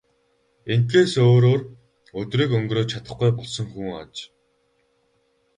Ингэхээс өөрөөр өдрийг өнгөрөөж чадахгүй болсон хүн аж.